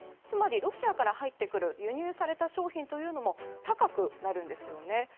つまりロシアから入ってくる輸入された商品も高くなるんですよね。